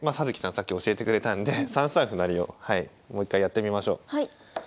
さっき教えてくれたんで３三歩成をもう一回やってみましょう。